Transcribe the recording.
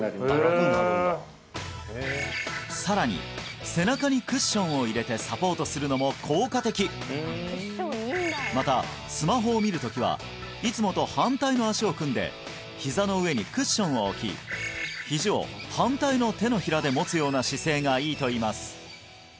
さらに背中にクッションを入れてサポートするのも効果的またスマホを見るときはいつもと反対の足を組んでひざの上にクッションを置きひじを反対の手のひらで持つような姿勢がいいといいます